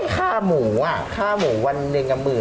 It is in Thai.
ค่าหมูวัน๑กับ๑๕๐๐๐